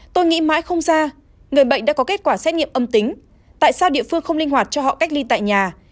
tôi nghĩ mãi không ra người bệnh đã có kết quả xét nghiệm âm tính tại sao địa phương không linh hoạt cho họ cách ly tại nhà